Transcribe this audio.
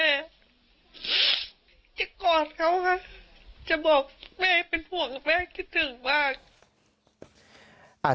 จะกอดเขาจะบอกฉันไว้เป็นห่วงแล้วเม่คิดถึงมาก